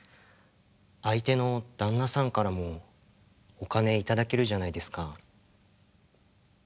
相手の旦那さんからもお金頂けるじゃないですか。